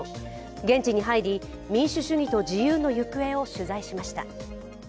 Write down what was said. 現地に入り、民主主義と自由の行方を取材しました。